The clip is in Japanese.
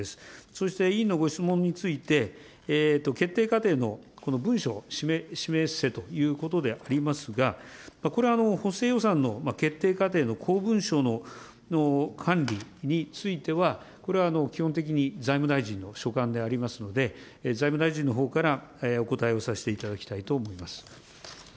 そして委員のご質問について、決定過程のこの文書を示せということでありますが、これは補正予算の決定過程の公文書の管理については、これは基本的に財務大臣の所管でありますので、財務大臣のほうから、お答えをさせていただきたいと思います。